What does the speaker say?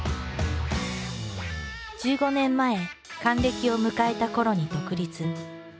１５年前還暦を迎えたころに独立。